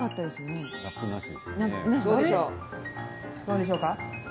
どうでしょうか？